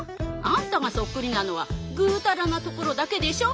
あんたがそっくりなのはぐうたらなところだけでしょ？